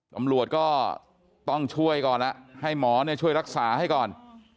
ตำรวจก็ต้องช่วยก่อนแล้วให้หมอช่วยรักษาให้ก่อน